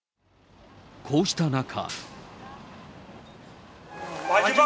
こうした中。